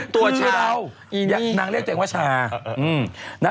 ตัวเชเรานางเรียกตัวเองว่าชา